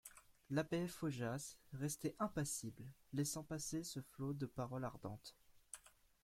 L'abbé Faujas restait impassible, laissant passer ce flot de paroles ardentes.